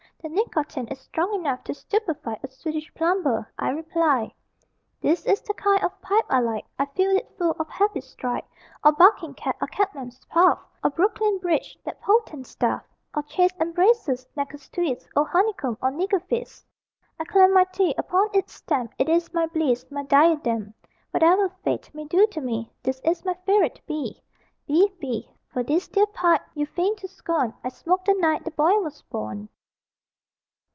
The nicotine Is strong enough To stupefy A Swedish plumber." I reply: "This is the kind Of pipe I like: I fill it full Of Happy Strike, Or Barking Cat Or Cabman's Puff, Or Brooklyn Bridge (That potent stuff) Or Chaste Embraces, Knacker's Twist, Old Honeycomb Or Niggerfist. I clamp my teeth Upon its stem It is my bliss, My diadem. Whatever Fate May do to me, This is my favorite B B B. For this dear pipe You feign to scorn I smoked the night The boy was born."